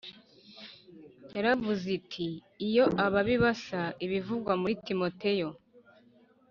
Yaravuze iti iyo ababi basa Ibivugwa muri Timoteyo